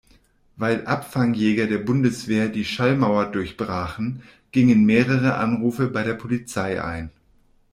Weil Abfangjäger der Bundeswehr die Schallmauer durchbrachen, gingen mehrere Anrufe bei der Polizei ein.